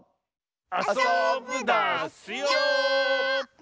あそぶダスよ！